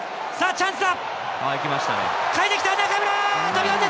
チャンスだ！